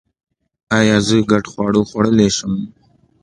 ایا زه ګډ خواړه خوړلی شم؟